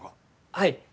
はい。